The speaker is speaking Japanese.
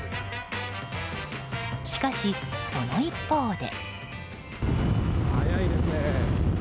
しかし、その一方で。